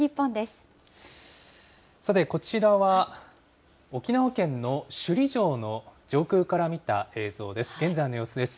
さてこちらは、沖縄県の首里城の上空から見た映像です。